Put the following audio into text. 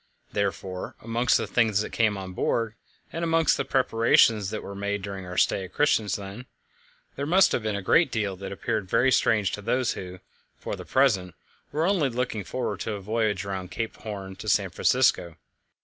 Therefore, amongst the things that came on board, and amongst the preparations that were made during our stay at Christiansand, there must have been a great deal that appeared very strange to those who, for the present, were only looking forward to a voyage round Cape Horn to San Francisco.